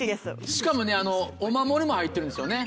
しかもねお守りも入ってるんですよね。